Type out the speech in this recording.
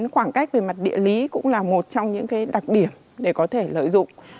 khoảng cách về mặt địa lý cũng là một trong những đặc điểm để có thể lợi dụng